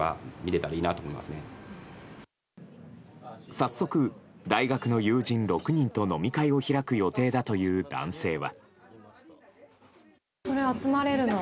早速、大学の友人６人と飲み会を開く予定だという男性は。